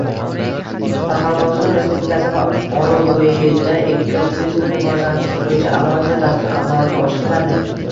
Qoraqalpog‘iston Respublikasi va Orolbo‘yida ekoturizmni rivojlantirish bo‘yicha alohida dastur amalga oshiriladi.